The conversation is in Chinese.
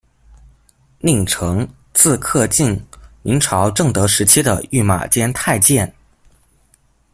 宁诚，字克敬，明朝正德时期的御马监太监。